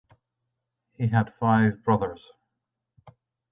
He had five brothers.